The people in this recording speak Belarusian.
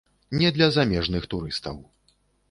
Не для замежных турыстаў.